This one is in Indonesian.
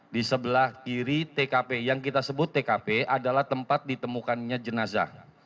di sebelah kiri tkp yang kita sebut tkp adalah tempat ditemukannya jenazah